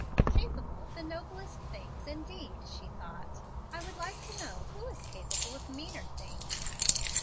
"'Capable of the noblest things,' indeed," she thought. "I would like to know who is capable of meaner things.